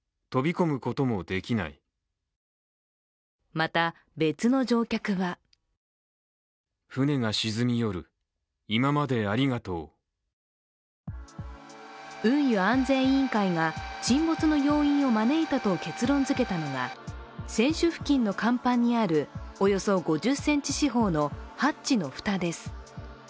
また別の乗客は運輸安全委員会が、沈没の要因を招いたと結論づけたのが、船首付近の甲板にある、およそ５０ｃｍ四方のハッチの蓋です。